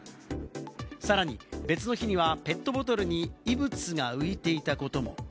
さらに別の日にはペットボトルに異物が浮いていたことも。